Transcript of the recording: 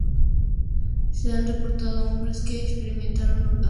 Se han reportado hombres que experimentaron orgasmos múltiples, sin ninguna eyaculación.